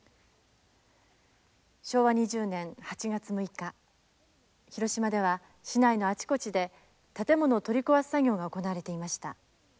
昭和２０年８月６日広島では市内のあちこちで建物を取り壊す作業が行われていました。